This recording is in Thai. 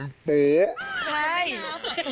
รับ